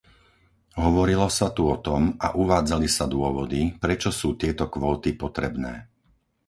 Hovorilo sa tu o tom a uvádzali sa dôvody, prečo sú tieto kvóty potrebné.